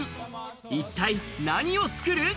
一体何を作る？